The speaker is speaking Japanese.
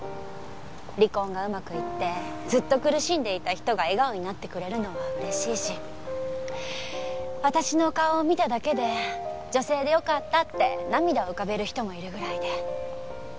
離婚がうまくいってずっと苦しんでいた人が笑顔になってくれるのは嬉しいし私の顔を見ただけで女性でよかったって涙を浮かべる人もいるぐらいで。